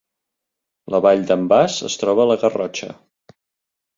La Vall d’en Bas es troba a la Garrotxa